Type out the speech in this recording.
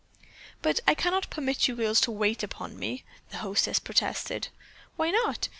"But I cannot permit you girls to wait upon me!" the hostess protested. "Why not?"